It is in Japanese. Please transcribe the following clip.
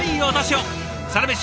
「サラメシ」